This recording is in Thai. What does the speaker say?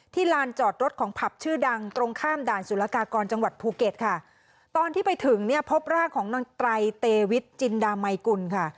ลานจอดรถของผับชื่อดังตรงข้ามด่านสุรกากรจังหวัดภูเก็ตค่ะตอนที่ไปถึงเนี่ยพบร่างของนางไตรเตวิทจินดามัยกุลค่ะ